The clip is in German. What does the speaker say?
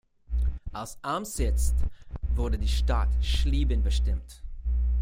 Als Amtssitz wurde die Stadt Schlieben bestimmt.